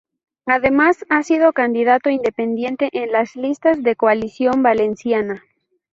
Además, ha sido candidato independiente en las listas de Coalición Valenciana.